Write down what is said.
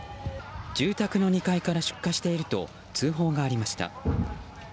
住宅の２階から出火していると通報がありました。